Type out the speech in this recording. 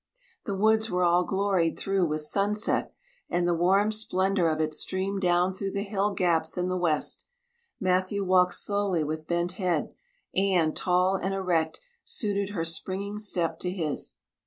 The woods were all gloried through with sunset and the warm splendor of it streamed down through the hill gaps in the west. Matthew walked slowly with bent head; Anne, tall and erect, suited her springing step to his.